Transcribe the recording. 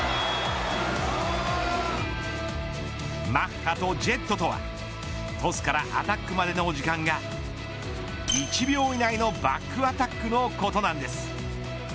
マッハとジェットとはトスからアタックまでの時間が１秒以内のバックアタックのことなんです。